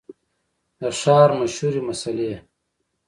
د ښار مشهورې مسلۍ